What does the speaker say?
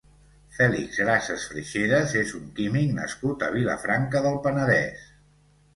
Fèlix Grases Freixedas és un químic nascut a Vilafranca del Penedès.